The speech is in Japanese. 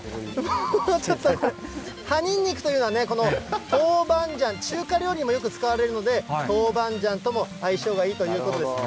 ちょっと、葉ニンニクというのはね、この豆板醤、中華料理にもよく使われるので、豆板醤とも相性がいいということです。